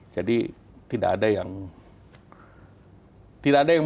jadi tidak ada yang